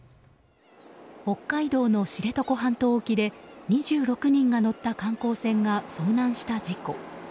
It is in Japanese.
北海道の知床半島沖で２６人が乗った観光船が遭難した事故。